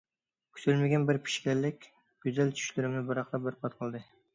كۈتۈلمىگەن بىر پېشكەللىك گۈزەل چۈشلىرىمنى بىراقلا بەربات قىلدى.